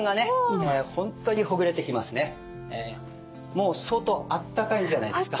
もう相当あったかいんじゃないですか。